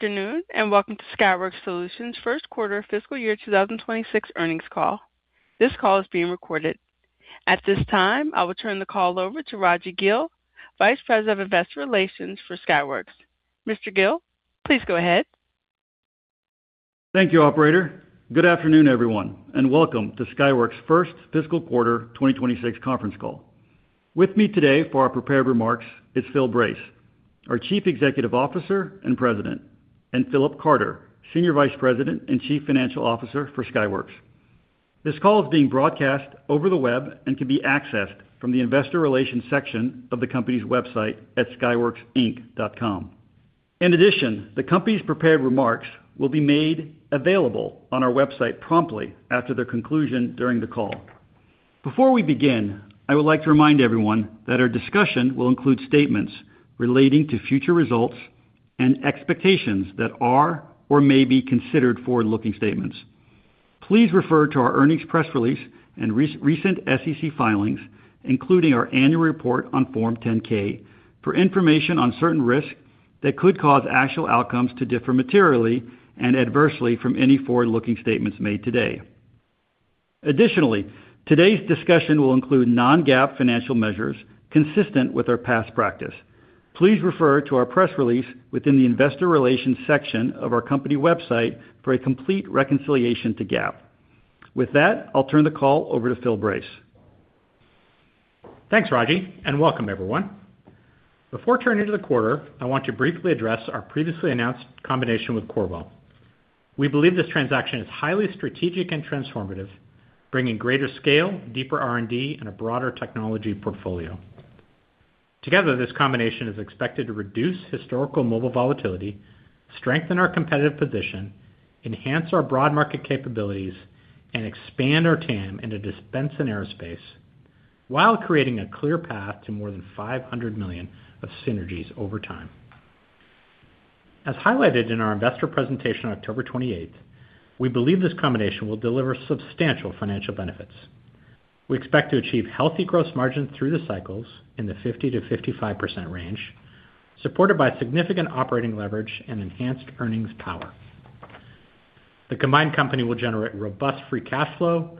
Good afternoon, and welcome to Skyworks Solutions' first quarter fiscal year 2026 earnings call. This call is being recorded. At this time, I will turn the call over to Raji Gill, Vice President of Investor Relations for Skyworks. Mr. Gill, please go ahead. Thank you, operator. Good afternoon, everyone, and welcome to Skyworks' first fiscal quarter 2026 conference call. With me today for our prepared remarks is Phil Brace, our Chief Executive Officer and President, and Philip Carter, Senior Vice President and Chief Financial Officer for Skyworks. This call is being broadcast over the web and can be accessed from the Investor Relations section of the company's website at skyworksinc.com. In addition, the company's prepared remarks will be made available on our website promptly after their conclusion during the call. Before we begin, I would like to remind everyone that our discussion will include statements relating to future results and expectations that are or may be considered forward-looking statements. Please refer to our earnings press release and recent SEC filings, including our annual report on Form 10-K, for information on certain risks that could cause actual outcomes to differ materially and adversely from any forward-looking statements made today. Additionally, today's discussion will include Non-GAAP financial measures consistent with our past practice. Please refer to our press release within the Investor Relations section of our company website for a complete reconciliation to GAAP. With that, I'll turn the call over to Phil Brace. Thanks, Raji, and welcome everyone. Before turning to the quarter, I want to briefly address our previously announced combination with Qorvo. We believe this transaction is highly strategic and transformative, bringing greater scale, deeper R&D, and a broader technology portfolio. Together, this combination is expected to reduce historical mobile volatility, strengthen our competitive position, enhance our broad market capabilities, and expand our TAM into defense and aerospace, while creating a clear path to more than $500 million of synergies over time. As highlighted in our investor presentation on October 28, we believe this combination will deliver substantial financial benefits. We expect to achieve healthy gross margins through the cycles in the 50%-55% range, supported by significant operating leverage and enhanced earnings power. The combined company will generate robust free cash flow,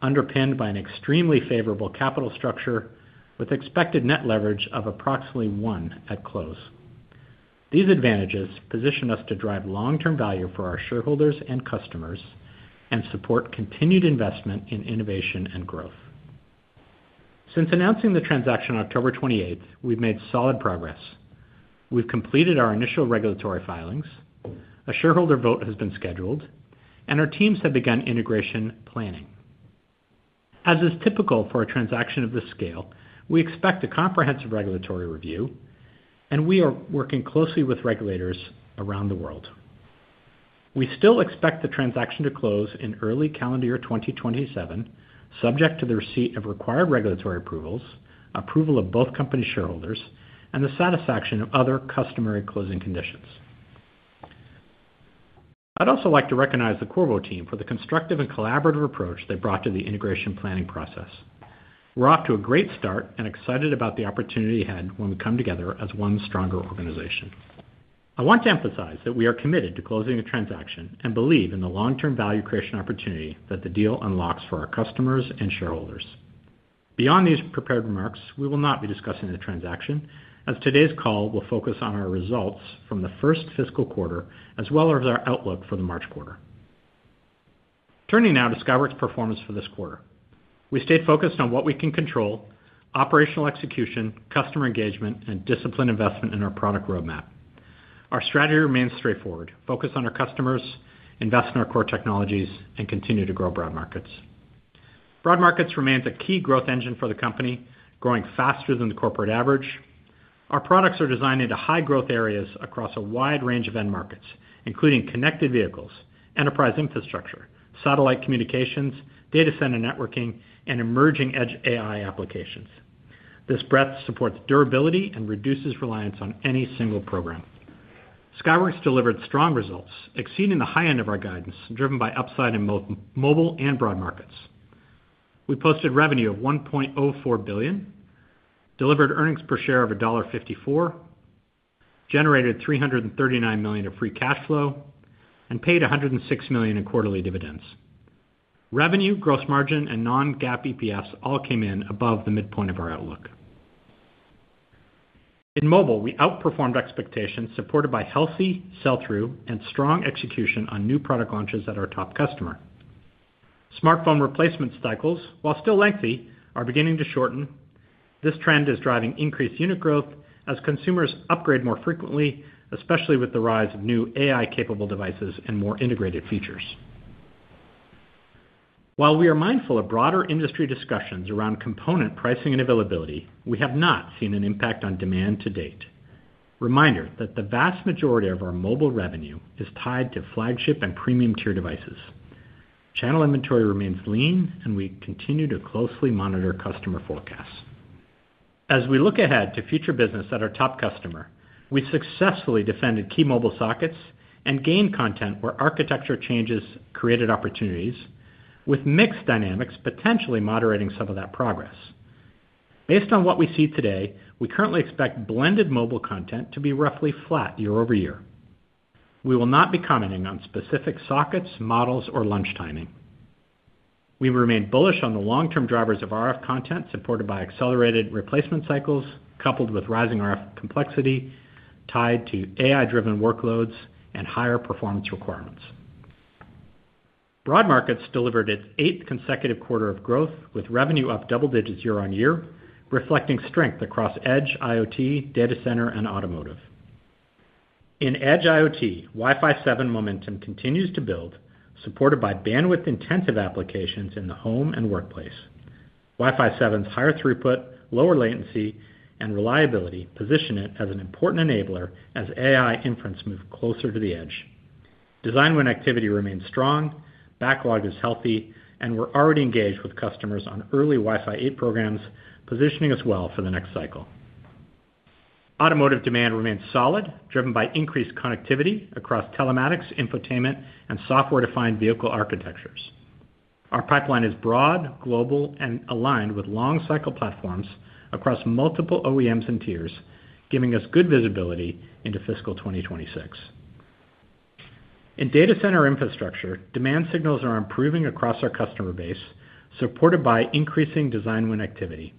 underpinned by an extremely favorable capital structure with expected net leverage of approximately 1 at close. These advantages position us to drive long-term value for our shareholders and customers and support continued investment in innovation and growth. Since announcing the transaction on October 28th, we've made solid progress. We've completed our initial regulatory filings, a shareholder vote has been scheduled, and our teams have begun integration planning. As is typical for a transaction of this scale, we expect a comprehensive regulatory review, and we are working closely with regulators around the world. We still expect the transaction to close in early calendar year 2027, subject to the receipt of required regulatory approvals, approval of both company shareholders, and the satisfaction of other customary closing conditions. I'd also like to recognize the Qorvo team for the constructive and collaborative approach they brought to the integration planning process. We're off to a great start and excited about the opportunity ahead when we come together as one stronger organization. I want to emphasize that we are committed to closing the transaction and believe in the long-term value creation opportunity that the deal unlocks for our customers and shareholders. Beyond these prepared remarks, we will not be discussing the transaction, as today's call will focus on our results from the first fiscal quarter, as well as our outlook for the March quarter. Turning now to Skyworks' performance for this quarter. We stayed focused on what we can control, operational execution, customer engagement, and disciplined investment in our product roadmap. Our strategy remains straightforward: focus on our customers, invest in our core technologies, and continue to grow broad markets. Broad markets remains a key growth engine for the company, growing faster than the corporate average. Our products are designed into high growth areas across a wide range of end markets, including connected vehicles, enterprise infrastructure, satellite communications, data center networking, and emerging edge AI applications. This breadth supports durability and reduces reliance on any single program. Skyworks delivered strong results, exceeding the high end of our guidance, driven by upside in mobile and broad markets. We posted revenue of $1.04 billion, delivered earnings per share of $1.54, generated $339 million of free cash flow, and paid $106 million in quarterly dividends. Revenue, gross margin, and Non-GAAP EPS all came in above the midpoint of our outlook. In mobile, we outperformed expectations supported by healthy sell-through and strong execution on new product launches at our top customer. Smartphone replacement cycles, while still lengthy, are beginning to shorten. This trend is driving increased unit growth as consumers upgrade more frequently, especially with the rise of new AI-capable devices and more integrated features. While we are mindful of broader industry discussions around component pricing and availability, we have not seen an impact on demand to date. Reminder that the vast majority of our mobile revenue is tied to flagship and premium-tier devices. Channel inventory remains lean, and we continue to closely monitor customer forecasts. As we look ahead to future business at our top customer, we successfully defended key mobile sockets and gained content where architecture changes created opportunities, with mixed dynamics potentially moderating some of that progress. Based on what we see today, we currently expect blended mobile content to be roughly flat year-over-year. We will not be commenting on specific sockets, models, or launch timing. We remain bullish on the long-term drivers of RF content, supported by accelerated replacement cycles, coupled with rising RF complexity, tied to AI-driven workloads and higher performance requirements. Broad markets delivered its eighth consecutive quarter of growth, with revenue up double digits year-over-year, reflecting strength across edge, IoT, data center, and automotive. In edge IoT, Wi-Fi 7 momentum continues to build, supported by bandwidth-intensive applications in the home and workplace. Wi-Fi 7's higher throughput, lower latency, and reliability position it as an important enabler as AI inference move closer to the edge. Design win activity remains strong, backlog is healthy, and we're already engaged with customers on early Wi-Fi 8 programs, positioning us well for the next cycle. Automotive demand remains solid, driven by increased connectivity across telematics, infotainment, and software-defined vehicle architectures. Our pipeline is broad, global, and aligned with long cycle platforms across multiple OEMs and tiers, giving us good visibility into fiscal 2026. In data center infrastructure, demand signals are improving across our customer base, supported by increasing design win activity.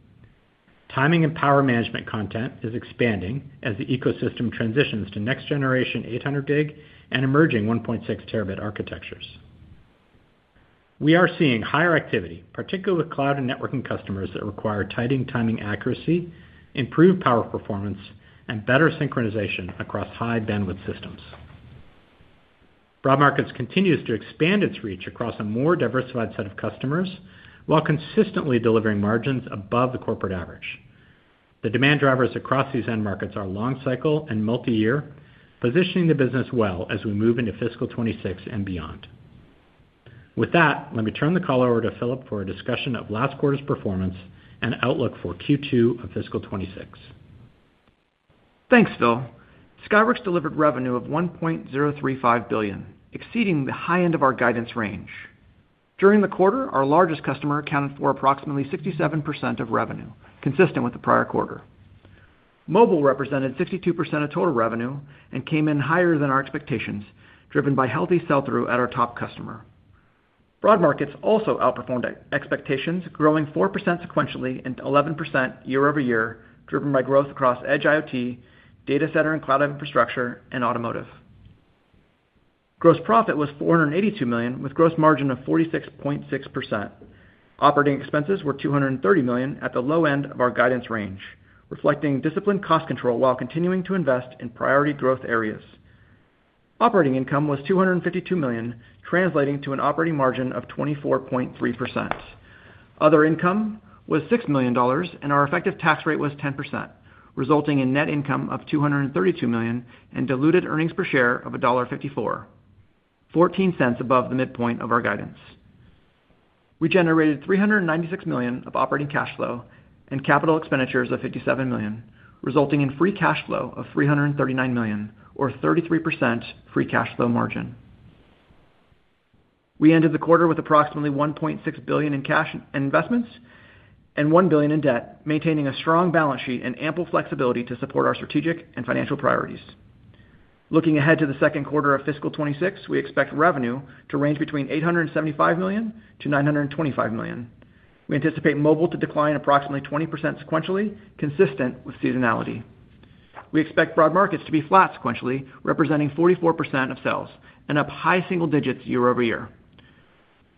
Timing and power management content is expanding as the ecosystem transitions to next generation 800 gig and emerging 1.6 Tb architectures. We are seeing higher activity, particularly with cloud and networking customers, that require tighter timing accuracy, improved power performance, and better synchronization across high-bandwidth systems. Broad Markets continues to expand its reach across a more diversified set of customers, while consistently delivering margins above the corporate average. The demand drivers across these end markets are long cycle and multi-year, positioning the business well as we move into fiscal 2026 and beyond. With that, let me turn the call over to Philip for a discussion of last quarter's performance and outlook for Q2 of fiscal 2026. Thanks, Phil. Skyworks delivered revenue of $1.035 billion, exceeding the high end of our guidance range. During the quarter, our largest customer accounted for approximately 67% of revenue, consistent with the prior quarter. Mobile represented 62% of total revenue and came in higher than our expectations, driven by healthy sell-through at our top customer. Broad markets also outperformed expectations, growing 4% sequentially and 11% year-over-year, driven by growth across edge IoT, data center and cloud infrastructure, and automotive. Gross profit was $482 million, with gross margin of 46.6%. Operating expenses were $230 million, at the low end of our guidance range, reflecting disciplined cost control while continuing to invest in priority growth areas. Operating income was $252 million, translating to an operating margin of 24.3%. Other income was $6 million, and our effective tax rate was 10%, resulting in net income of $232 million and diluted earnings per share of $1.54, $0.14 above the midpoint of our guidance. We generated $396 million of operating cash flow and capital expenditures of $57 million, resulting in free cash flow of $339 million, or 33% free cash flow margin. We ended the quarter with approximately $1.6 billion in cash and investments and $1 billion in debt, maintaining a strong balance sheet and ample flexibility to support our strategic and financial priorities. Looking ahead to the second quarter of fiscal 2026, we expect revenue to range between $875 million-$925 million. We anticipate mobile to decline approximately 20% sequentially, consistent with seasonality. We expect broad markets to be flat sequentially, representing 44% of sales and up high single digits year-over-year.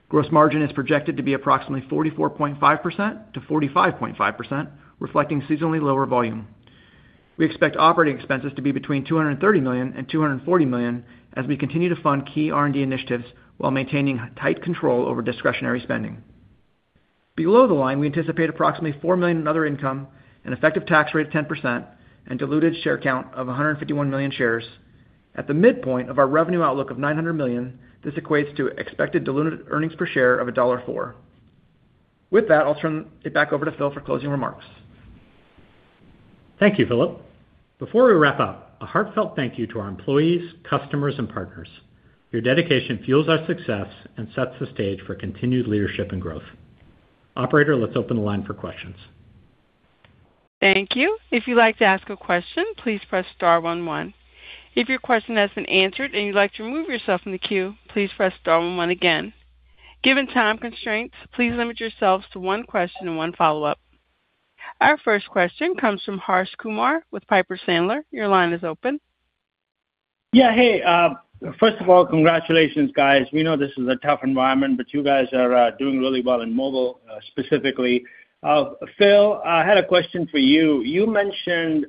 Gross margin is projected to be approximately 44.5%-45.5%, reflecting seasonally lower volume. We expect operating expenses to be between $230 million and $240 million as we continue to fund key R&D initiatives while maintaining tight control over discretionary spending. Below the line, we anticipate approximately $4 million in other income, an effective tax rate of 10%, and diluted share count of 151 million shares. At the midpoint of our revenue outlook of $900 million, this equates to expected diluted earnings per share of $1.04. With that, I'll turn it back over to Phil for closing remarks. Thank you, Philip. Before we wrap up, a heartfelt thank you to our employees, customers, and partners. Your dedication fuels our success and sets the stage for continued leadership and growth. Operator, let's open the line for questions. Thank you. If you'd like to ask a question, please press star one one. If your question has been answered and you'd like to remove yourself from the queue, please press star one one again. Given time constraints, please limit yourselves to one question and one follow-up. Our first question comes from Harsh Kumar with Piper Sandler. Your line is open. Yeah. Hey, first of all, congratulations, guys. We know this is a tough environment, but you guys are doing really well in mobile, specifically. Phil, I had a question for you. You mentioned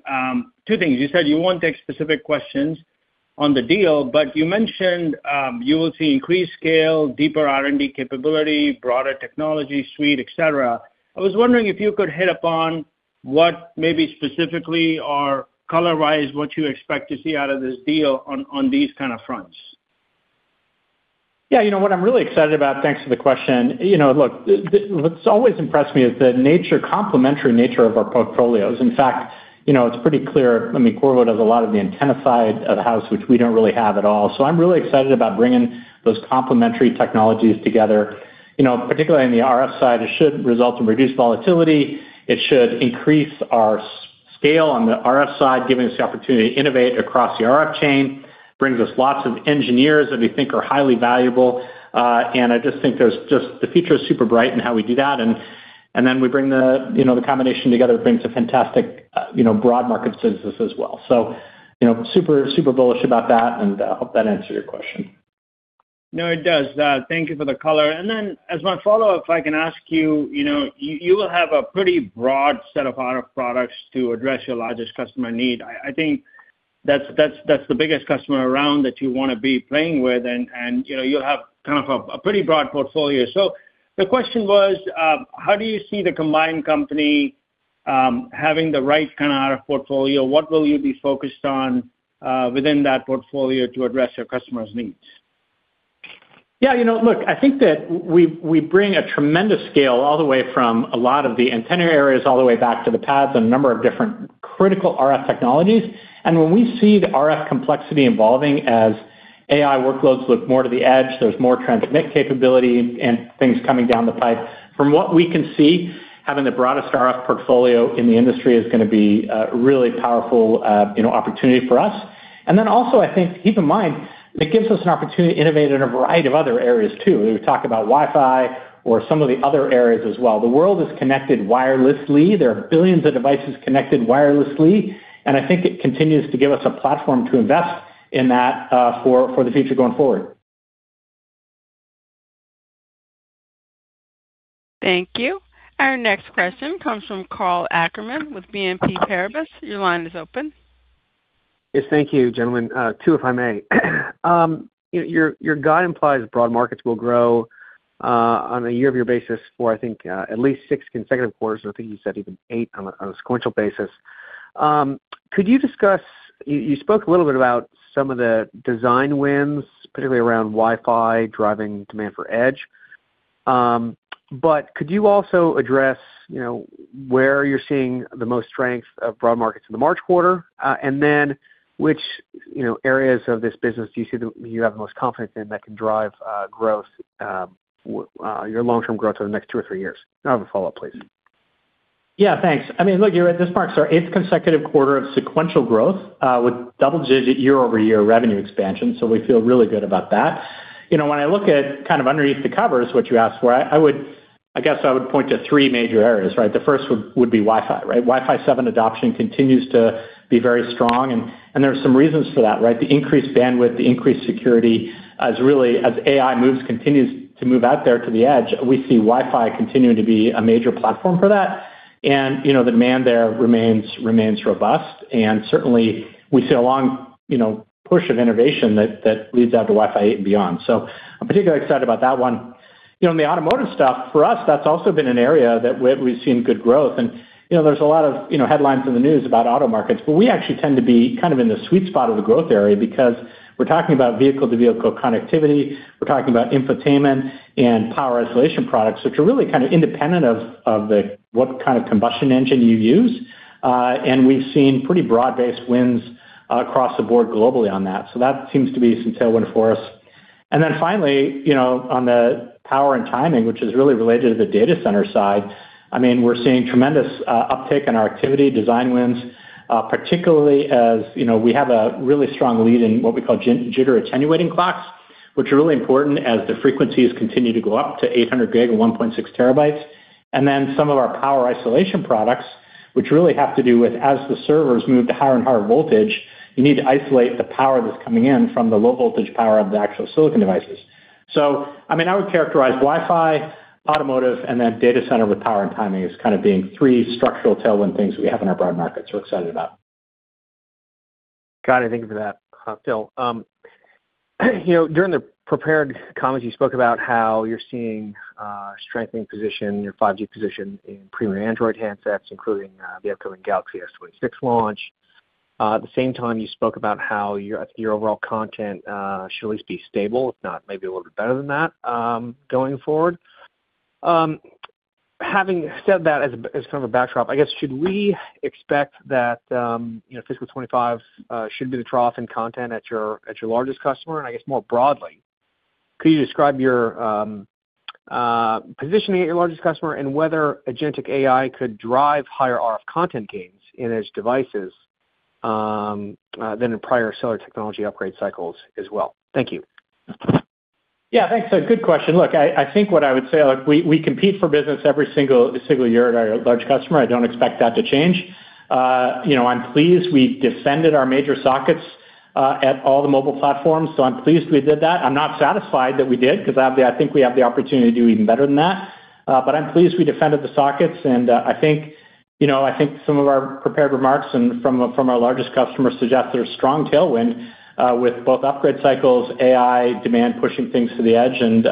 two things. You said you won't take specific questions on the deal, but you mentioned you will see increased scale, deeper R&D capability, broader technology suite, et cetera. I was wondering if you could hit upon what maybe specifically or color-wise, what you expect to see out of this deal on these kind of fronts. Yeah, you know what I'm really excited about? Thanks for the question. You know, look, the what's always impressed me is the complementary nature of our portfolios. In fact, you know, it's pretty clear, I mean, Qorvo does a lot of the antenna side of the house, which we don't really have at all. So I'm really excited about bringing those complementary technologies together. You know, particularly on the RF side, it should result in reduced volatility. It should increase our scale on the RF side, giving us the opportunity to innovate across the RF chain, brings us lots of engineers that we think are highly valuable. And I just think there's the future is super bright in how we do that. And then we bring the, you know, the combination together brings a fantastic, you know, broad market business as well. You know, super, super bullish about that, and I hope that answered your question. No, it does. Thank you for the color. And then, as my follow-up, if I can ask you, you know, you will have a pretty broad set of RF products to address your largest customer need. I think that's the biggest customer around that you wanna be playing with, and you know, you have kind of a pretty broad portfolio. So the question was, how do you see the combined company having the right kind of RF portfolio? What will you be focused on within that portfolio to address your customers' needs? Yeah, you know, look, I think that we bring a tremendous scale all the way from a lot of the antenna areas, all the way back to the PAs and a number of different critical RF technologies. And when we see the RF complexity evolving as AI workloads look more to the edge, there's more transmit capability and things coming down the pipe. From what we can see, having the broadest RF portfolio in the industry is gonna be a really powerful, you know, opportunity for us. And then also, I think, keep in mind, it gives us an opportunity to innovate in a variety of other areas, too. We talk about Wi-Fi or some of the other areas as well. The world is connected wirelessly. There are billions of devices connected wirelessly, and I think it continues to give us a platform to invest in that, for the future going forward. Thank you. Our next question comes from Karl Ackerman with BNP Paribas. Your line is open. Yes, thank you, gentlemen. Two, if I may. Your guide implies broad markets will grow on a year-over-year basis for, I think, at least 6 consecutive quarters. I think you said even eight on a sequential basis. Could you discuss... You spoke a little bit about some of the design wins, particularly around Wi-Fi, driving demand for edge. But could you also address, you know, where you're seeing the most strength of broad markets in the March quarter? And then which, you know, areas of this business do you see that you have the most confidence in that can drive growth, your long-term growth over the next two or three years? I have a follow-up, please. Yeah, thanks. I mean, look, you're at this marks our eighth consecutive quarter of sequential growth with double-digit year-over-year revenue expansion, so we feel really good about that. You know, when I look at kind of underneath the covers, what you asked for, I would. I guess I would point to three major areas, right? The first would be Wi-Fi, right? Wi-Fi 7 adoption continues to be very strong, and there are some reasons for that, right? The increased bandwidth, the increased security, as really as AI moves, continues to move out there to the edge, we see Wi-Fi continuing to be a major platform for that. And, you know, the demand there remains robust, and certainly we see a long, you know, push of innovation that leads out to Wi-Fi 8 and beyond. So I'm particularly excited about that one. You know, in the automotive stuff, for us, that's also been an area that we've seen good growth. You know, there's a lot of, you know, headlines in the news about auto markets, but we actually tend to be kind of in the sweet spot of the growth area because we're talking about vehicle-to-vehicle connectivity, we're talking about infotainment and power isolation products, which are really kind of independent of the what kind of combustion engine you use. And we've seen pretty broad-based wins across the board globally on that. That seems to be some tailwind for us. And then finally, you know, on the power and timing, which is really related to the data center side, I mean, we're seeing tremendous uptick in our activity, design wins, particularly as, you know, we have a really strong lead in what we call jitter attenuating clocks, which are really important as the frequencies continue to go up to 800 gig and 1.6 Tb. And then some of our power isolation products, which really have to do with, as the servers move to higher and higher voltage, you need to isolate the power that's coming in from the low voltage power of the actual silicon devices. So, I mean, I would characterize Wi-Fi, automotive, and then data center with power and timing as kind of being three structural tailwind things we have in our broad markets we're excited about. Got it. Thank you for that, Phil. You know, during the prepared comments, you spoke about how you're seeing strengthening position, your 5G position in premium Android handsets, including the upcoming Galaxy S26 launch. At the same time, you spoke about how your overall content should at least be stable, if not, maybe a little bit better than that, going forward. Having said that, as kind of a backdrop, I guess, should we expect that, you know, fiscal 25 should be the trough in content at your largest customer? And I guess more broadly, could you describe your positioning at your largest customer and whether agentic AI could drive higher RF content gains in its devices than in prior cellular technology upgrade cycles as well? Thank you. Yeah, thanks. So good question. Look, I think what I would say, like, we compete for business every single year at our large customer. I don't expect that to change. You know, I'm pleased we defended our major sockets at all the mobile platforms, so I'm pleased we did that. I'm not satisfied that we did, because, obviously, I think we have the opportunity to do even better than that. But I'm pleased we defended the sockets, and I think, you know, I think some of our prepared remarks and from our largest customer suggest there's strong tailwind with both upgrade cycles, AI demand, pushing things to the edge. And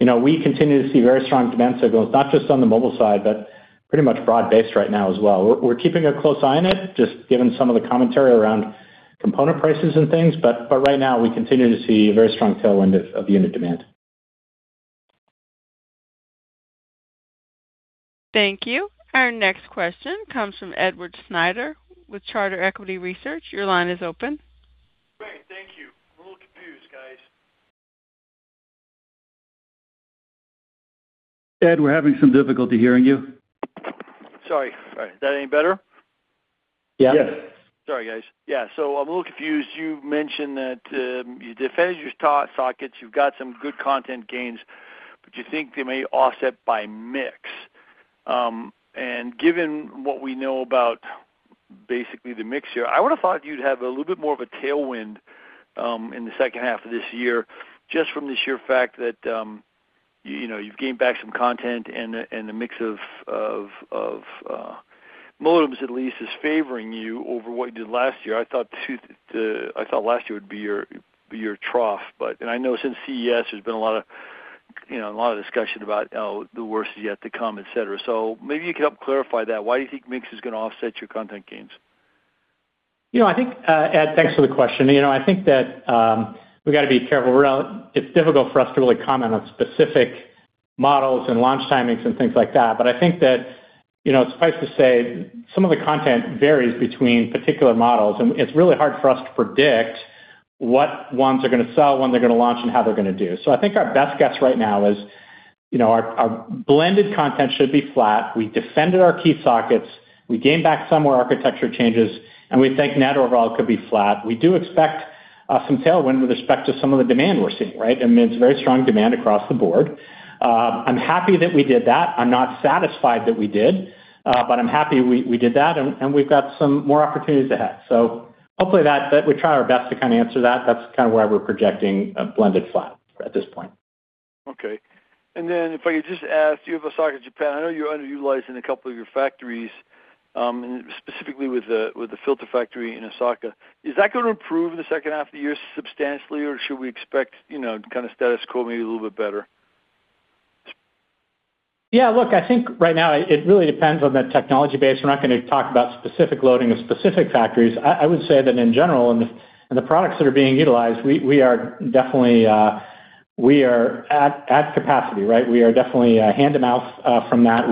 you know, we continue to see very strong demand signals, not just on the mobile side, but pretty much broad-based right now as well. We're keeping a close eye on it, just given some of the commentary around component prices and things, but right now we continue to see a very strong tailwind of unit demand. Thank you. Our next question comes from Edward Snyder with Charter Equity Research. Your line is open. Great. Thank you. I'm a little confused, guys. Ed, we're having some difficulty hearing you. Sorry. Sorry. Is that any better? Yeah. Sorry, guys. Yeah, so I'm a little confused. You've mentioned that you defended your two sockets, you've got some good content gains, but you think they may offset by mix. And given what we know about basically the mix here, I would have thought you'd have a little bit more of a tailwind in the second half of this year, just from the sheer fact that you know, you've gained back some content and the mix of modems, at least, is favoring you over what you did last year. I thought last year would be your trough, but... And I know since CES, there's been a lot of you know, a lot of discussion about, oh, the worst is yet to come, et cetera. So maybe you could help clarify that. Why do you think mix is gonna offset your content gains? You know, I think, Ed, thanks for the question. You know, I think that, we've got to be careful. It's difficult for us to really comment on specific models and launch timings and things like that. But I think that, you know, suffice to say, some of the content varies between particular models, and it's really hard for us to predict what ones are gonna sell, when they're gonna launch, and how they're gonna do. So I think our best guess right now is, you know, our blended content should be flat. We defended our key sockets, we gained back some of our architecture changes, and we think net overall could be flat. We do expect, some tailwind with respect to some of the demand we're seeing, right? I mean, it's very strong demand across the board. I'm happy that we did that. I'm not satisfied that we did, but I'm happy we did that, and we've got some more opportunities ahead. So hopefully that, but we try our best to kind of answer that. That's kind of why we're projecting a blended flat at this point. Okay. If I could just ask you about Osaka, Japan. I know you're underutilizing a couple of your factories, specifically with the, with the filter factory in Osaka. Is that going to improve in the second half of the year substantially, or should we expect, you know, kind of status quo, maybe a little bit better? Yeah, look, I think right now it really depends on the technology base. We're not gonna talk about specific loading of specific factories. I would say that in general, in the products that are being utilized, we are definitely we are at capacity, right? We are definitely hand to mouth from that.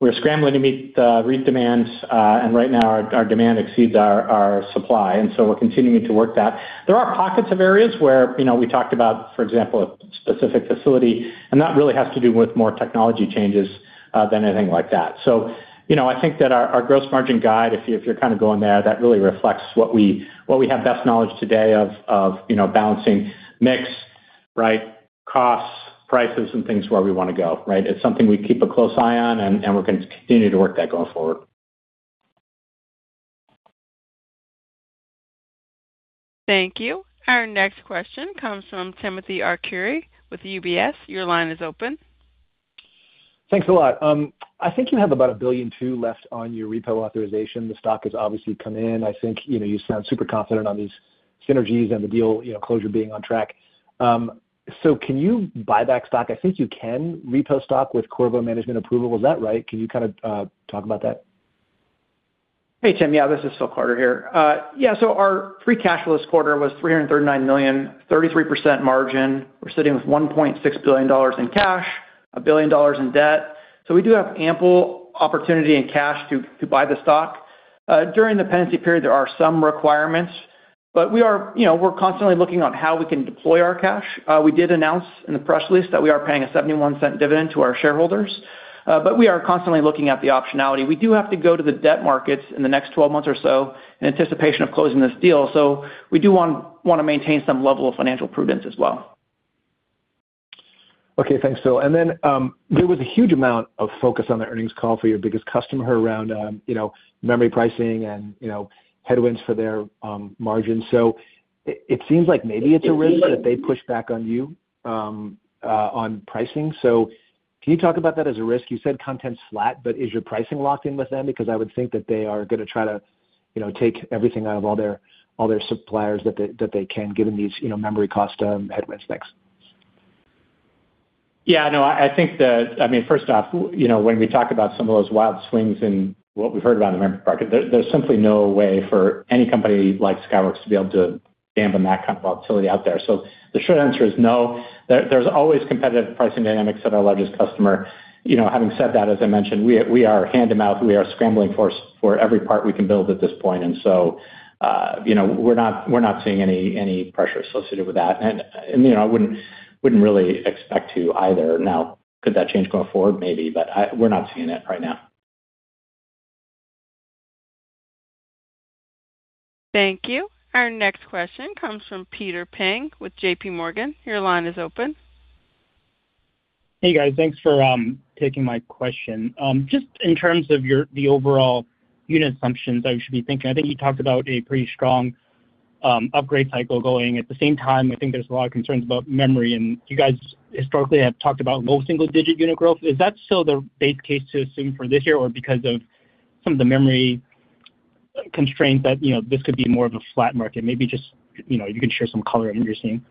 We're scrambling to meet the great demands, and right now, our demand exceeds our supply, and so we're continuing to work that. There are pockets of areas where, you know, we talked about, for example, a specific facility, and that really has to do with more technology changes than anything like that. So, you know, I think that our gross margin guide, if you're kind of going there, that really reflects what we have best knowledge today of, you know, balancing mix, right, costs, prices, and things where we wanna go, right? It's something we keep a close eye on, and we're gonna continue to work that going forward. Thank you. Our next question comes from Timothy Arcuri with UBS. Your line is open. Thanks a lot. I think you have about $1.2 billion left on your repo authorization. The stock has obviously come in. I think, you know, you sound super confident on these synergies and the deal, you know, closure being on track. So can you buy back stock? I think you can repo stock with Qorvo management approval. Is that right? Can you kind of talk about that? Hey, Tim. Yeah, this is Phil Carter here. Yeah, so our free cash flow this quarter was $339 million, 33% margin. We're sitting with $1.6 billion in cash, $1 billion in debt. So we do have ample opportunity and cash to buy the stock. During the pendency period, there are some requirements, but we are, you know, we're constantly looking on how we can deploy our cash. We did announce in the press release that we are paying a $0.71 dividend to our shareholders, but we are constantly looking at the optionality. We do have to go to the debt markets in the next 12 months or so in anticipation of closing this deal. So we do want to maintain some level of financial prudence as well. Okay, thanks, Phil. And then, there was a huge amount of focus on the earnings call for your biggest customer around, you know, memory pricing and, you know, headwinds for their margins. So it seems like maybe it's a risk that they push back on you on pricing. So can you talk about that as a risk? You said content's flat, but is your pricing locked in with them? Because I would think that they are gonna try to, you know, take everything out of all their, all their suppliers that they, that they can, given these, you know, memory cost headwinds. Thanks. Yeah, no, I think. I mean, first off, you know, when we talk about some of those wild swings in what we've heard about the memory market, there's simply no way for any company like Skyworks to be able to gamble on that kind of volatility out there. So the short answer is no. There's always competitive pricing dynamics at our largest customer. You know, having said that, as I mentioned, we are, we are hand to mouth. We are scrambling for for every part we can build at this point, and so, you know, we're not, we're not seeing any, any pressure associated with that. And, you know, I wouldn't, wouldn't really expect to either. Now, could that change going forward? Maybe, but we're not seeing it right now. Thank you. Our next question comes from Peter Peng with J.P. Morgan. Your line is open. Hey, guys, thanks for taking my question. Just in terms of your- the overall unit assumptions that we should be thinking, I think you talked about a pretty strong upgrade cycle going. At the same time, I think there's a lot of concerns about memory, and you guys historically have talked about low single-digit unit growth. Is that still the base case to assume for this year, or because of some of the memory constraints that, you know, this could be more of a flat market? Maybe just, you know, you can share some color on what you're seeing.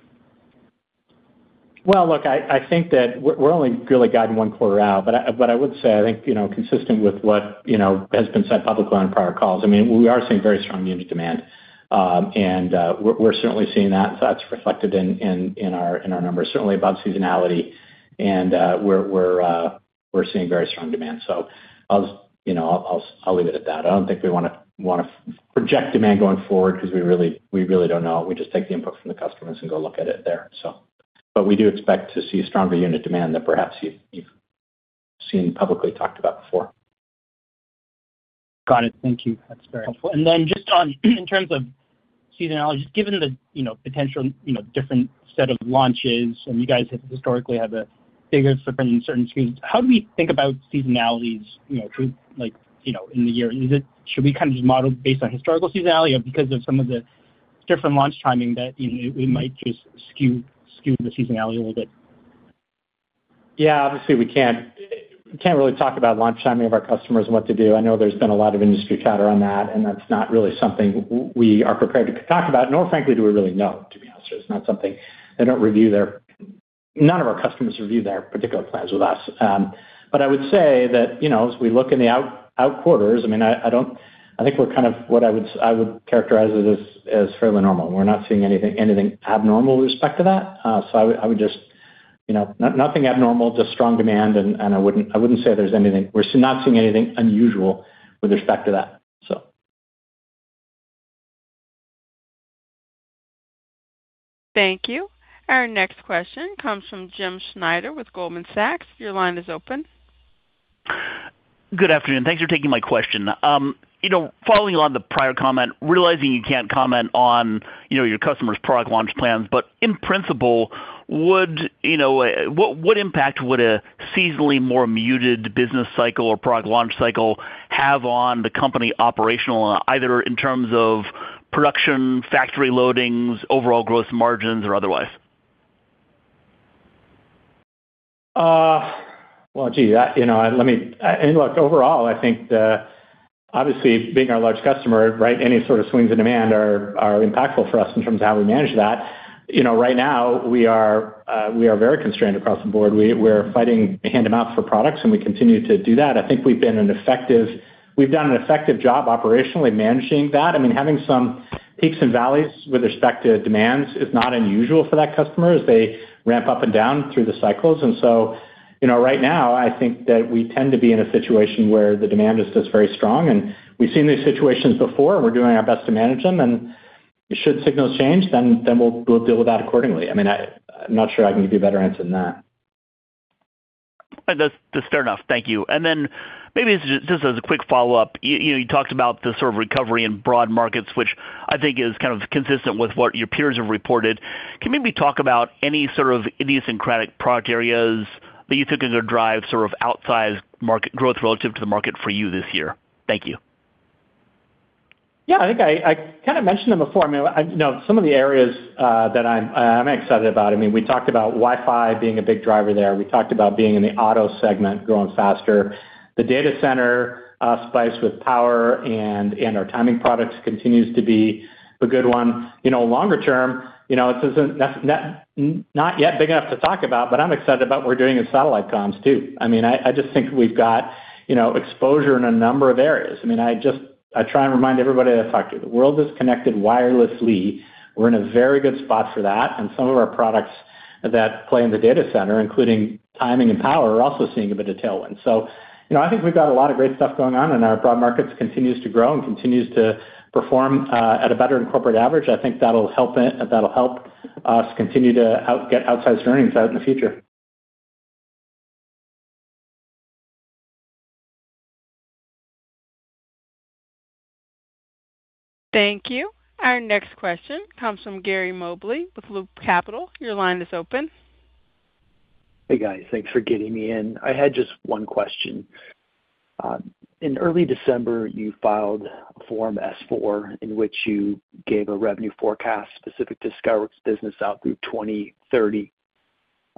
Well, look, I think that we're only really guiding one quarter out. But I would say, I think, you know, consistent with what, you know, has been said publicly on prior calls, I mean, we are seeing very strong unit demand. And we're certainly seeing that. That's reflected in our numbers, certainly above seasonality, and we're seeing very strong demand. So I'll just, you know, leave it at that. I don't think we wanna project demand going forward because we really don't know. We just take the input from the customers and go look at it there, so. But we do expect to see stronger unit demand than perhaps you've seen publicly talked about before. Got it. Thank you. That's very helpful. And then just on, in terms of seasonality, just given the, you know, potential, you know, different set of launches, and you guys historically have a bigger footprint in certain screens, how do we think about seasonality's, you know, true, like, you know, in the year? Is it- should we kind of just model based on historical seasonality, or because of some of the different launch timing that, you know, we might just skew, skew the seasonality a little bit? Yeah, obviously, we can't really talk about launch timing of our customers and what to do. I know there's been a lot of industry chatter on that, and that's not really something we are prepared to talk about, nor frankly, do we really know, to be honest with you. It's not something. None of our customers review their particular plans with us. But I would say that, you know, as we look in the outer quarters, I mean, I think we're kind of what I would characterize it as fairly normal. We're not seeing anything abnormal with respect to that. So I would just, you know, nothing abnormal, just strong demand, and I wouldn't say there's anything. We're not seeing anything unusual with respect to that, so. Thank you. Our next question comes from Jim Schneider with Goldman Sachs. Your line is open. Good afternoon. Thanks for taking my question. You know, following on the prior comment, realizing you can't comment on, you know, your customer's product launch plans, but in principle, would you know, what impact would a seasonally more muted business cycle or product launch cycle have on the company operational, either in terms of production, factory loadings, overall gross margins, or otherwise? Well, gee, you know, and look, overall, I think obviously, being our large customer, right, any sort of swings in demand are impactful for us in terms of how we manage that. You know, right now, we are very constrained across the board. We're fighting hand to mouth for products, and we continue to do that. I think we've done an effective job operationally managing that. I mean, having some peaks and valleys with respect to demands is not unusual for that customer as they ramp up and down through the cycles. And so, you know, right now, I think that we tend to be in a situation where the demand is just very strong, and we've seen these situations before, and we're doing our best to manage them. Should signals change, then we'll deal with that accordingly. I mean, I'm not sure I can give you a better answer than that. That's fair enough. Thank you. And then maybe just as a quick follow-up, you know, you talked about the sort of recovery in broad markets, which I think is kind of consistent with what your peers have reported. Can you maybe talk about any sort of idiosyncratic product areas that you think are going to drive sort of outsized market growth relative to the market for you this year? Thank you. Yeah, I think I kind of mentioned them before. I mean, you know, some of the areas that I'm excited about, I mean, we talked about Wi-Fi being a big driver there. We talked about being in the auto segment, growing faster. The data center spliced with power and our timing products continues to be a good one. You know, longer term, you know, it's not yet big enough to talk about, but I'm excited about what we're doing in satellite comms, too. I mean, I just think we've got, you know, exposure in a number of areas. I mean, I try and remind everybody I talk to, the world is connected wirelessly. We're in a very good spot for that, and some of our products that play in the data center, including timing and power, are also seeing a bit of tailwind. So, you know, I think we've got a lot of great stuff going on, and our broad markets continues to grow and continues to perform at a better than corporate average. I think that'll help us continue to get outsized earnings out in the future. Thank you. Our next question comes from Gary Mobley with Loop Capital. Your line is open. Hey, guys, thanks for getting me in. I had just one question. In early December, you filed a Form S-4, in which you gave a revenue forecast specific to Skyworks' business out through 2030.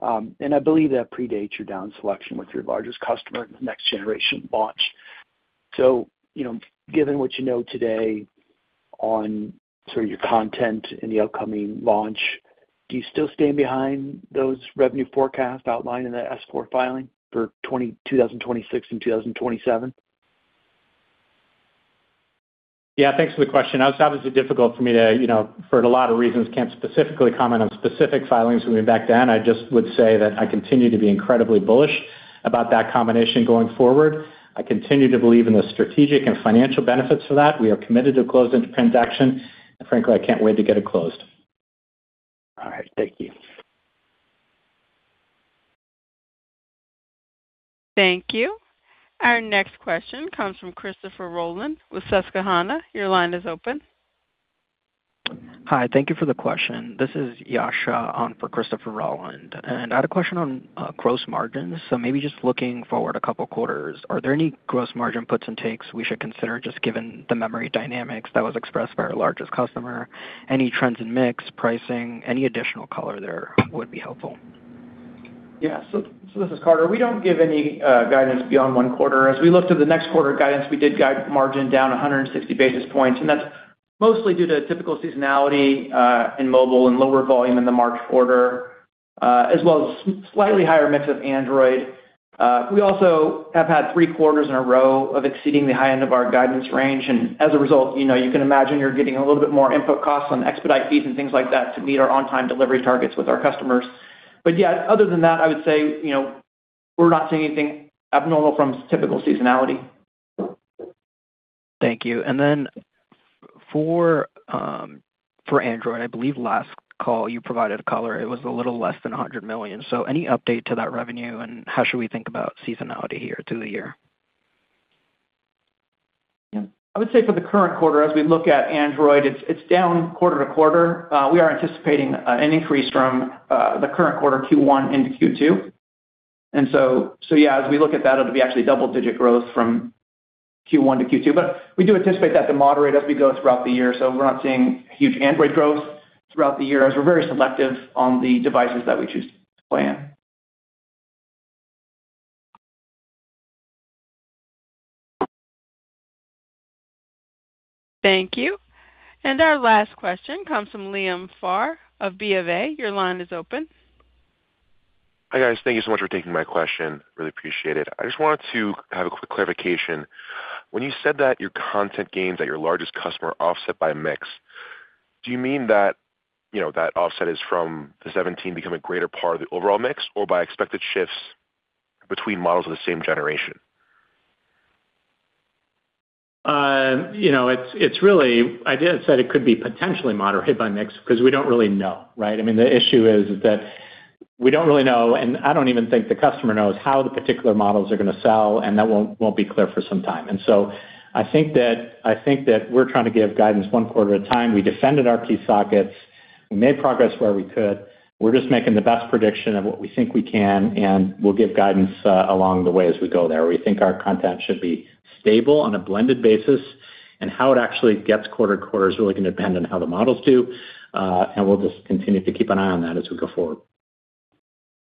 And I believe that predates your down selection with your largest customer next generation launch. So, you know, given what you know today on sort of your content in the upcoming launch, do you still stand behind those revenue forecasts outlined in the S-4 filing for 2026 and 2027? Yeah, thanks for the question. Now, it's obviously difficult for me to, you know, for a lot of reasons, can't specifically comment on specific filings from back then. I just would say that I continue to be incredibly bullish about that combination going forward. I continue to believe in the strategic and financial benefits of that. We are committed to closing the transaction, and frankly, I can't wait to get it closed. All right. Thank you. Thank you. Our next question comes from Christopher Rolland with Susquehanna. Your line is open. Hi, thank you for the question. This is Yasha on for Christopher Rolland, and I had a question on gross margins. So maybe just looking forward a couple of quarters, are there any gross margin puts and takes we should consider, just given the memory dynamics that was expressed by our largest customer? Any trends in mix, pricing, any additional color there would be helpful. Yeah. So, this is Carter. We don't give any guidance beyond one quarter. As we look to the next quarter guidance, we did guide margin down 160 basis points, and that's mostly due to typical seasonality in mobile and lower volume in the March quarter. As well as slightly higher mix of Android. We also have had three quarters in a row of exceeding the high end of our guidance range, and as a result, you know, you can imagine you're getting a little bit more input costs on expedite fees and things like that to meet our on-time delivery targets with our customers. But yeah, other than that, I would say, you know, we're not seeing anything abnormal from typical seasonality. Thank you. And then for, for Android, I believe last call, you provided a color. It was a little less than $100 million. So any update to that revenue, and how should we think about seasonality here through the year? Yeah. I would say for the current quarter, as we look at Android, it's, it's down quarter to quarter. We are anticipating an increase from the current quarter, Q1 into Q2. And so yeah, as we look at that, it'll be actually double-digit growth from Q1 to Q2. But we do anticipate that to moderate as we go throughout the year. So we're not seeing huge Android growth throughout the year, as we're very selective on the devices that we choose to play in. Thank you. Our last question comes from Liam Pharr of BofA. Your line is open. Hi, guys. Thank you so much for taking my question. Really appreciate it. I just wanted to have a quick clarification. When you said that your content gains at your largest customer are offset by mix, do you mean that, you know, that offset is from the 17 become a greater part of the overall mix, or by expected shifts between models of the same generation? You know, it's really. I did said it could be potentially moderated by mix because we don't really know, right? I mean, the issue is that we don't really know, and I don't even think the customer knows how the particular models are gonna sell, and that won't be clear for some time. So I think that we're trying to give guidance one quarter at a time. We defended our key sockets. We made progress where we could. We're just making the best prediction of what we think we can, and we'll give guidance along the way as we go there. We think our content should be stable on a blended basis, and how it actually gets quarter to quarter is really going to depend on how the models do, and we'll just continue to keep an eye on that as we go forward.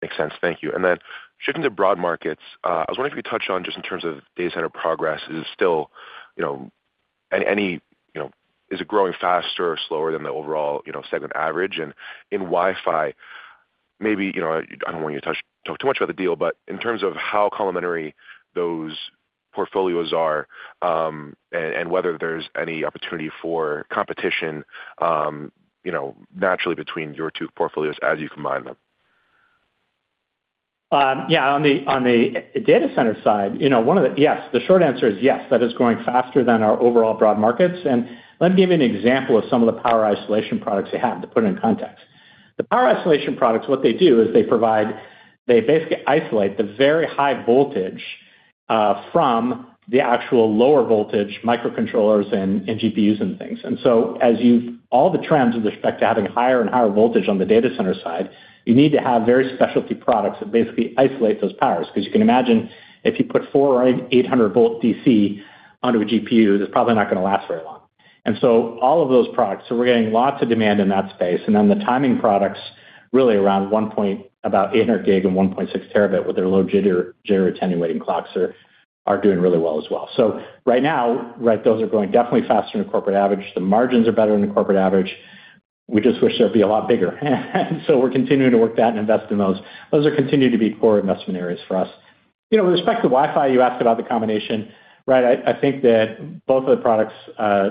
Makes sense. Thank you. And then shifting to broad markets, I was wondering if you touch on just in terms of data center progress, is it still, you know, is it growing faster or slower than the overall, you know, segment average? And in Wi-Fi, maybe, you know, I don't want you to talk too much about the deal, but in terms of how complementary those portfolios are, and whether there's any opportunity for competition, you know, naturally between your two portfolios as you combine them. Yeah, on the data center side, you know, one of the. Yes, the short answer is yes, that is growing faster than our overall broad markets. And let me give you an example of some of the power isolation products they have, to put it in context. The power isolation products, what they do is they provide. They basically isolate the very high voltage from the actual lower voltage microcontrollers and GPUs and things. And so as you've all the trends with respect to having higher and higher voltage on the data center side, you need to have very specialty products that basically isolate those powers. Because you can imagine if you put 400 or 800 volt DC onto a GPU, that's probably not gonna last very long. And so all of those products, so we're getting lots of demand in that space. And then the timing products, really around 1 G, about 800 gig and 1.6 Tb, with their low jitter, jitter attenuating clocks are doing really well as well. So right now, right, those are growing definitely faster than the corporate average. The margins are better than the corporate average. We just wish they would be a lot bigger. And so we're continuing to work that and invest in those. Those are continuing to be core investment areas for us. You know, with respect to Wi-Fi, you asked about the combination, right? I think that both of the products,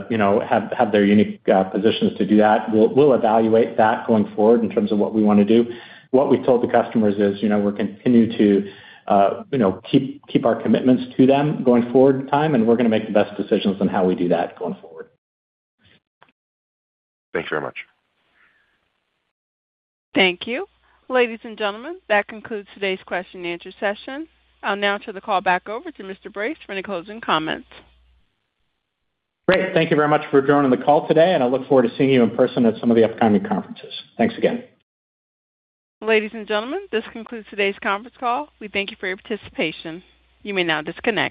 you know, have their unique positions to do that. We'll evaluate that going forward in terms of what we want to do. What we told the customers is, you know, we're continuing to, you know, keep, keep our commitments to them going forward in time, and we're gonna make the best decisions on how we do that going forward. Thank you very much. Thank you. Ladies and gentlemen, that concludes today's question-and-answer session. I'll now turn the call back over to Mr. Brace for any closing comments. Great. Thank you very much for joining the call today, and I look forward to seeing you in person at some of the upcoming conferences. Thanks again. Ladies and gentlemen, this concludes today's conference call. We thank you for your participation. You may now disconnect.